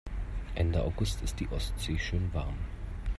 Ende August ist die Ostsee schön warm.